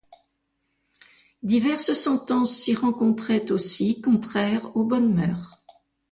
Diverses sentences s'y rencontraient aussi contraires aux bonnes mœurs.